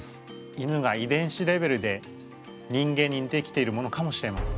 犬が遺伝子レベルで人間ににてきているものかもしれません。